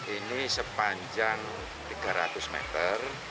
ini sepanjang tiga ratus meter